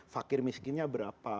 fakir miskinnya berapa